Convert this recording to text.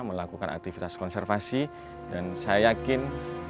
melakukan aktivitas konservasi dan saya yakin